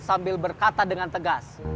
sambil berkata dengan tegas